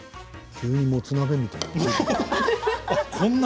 急にもつ鍋みたいに。